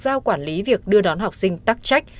giao quản lý việc đưa đón học sinh tắc trách